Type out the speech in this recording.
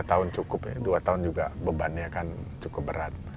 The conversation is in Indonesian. lima tahun cukup ya dua tahun juga bebannya kan cukup berat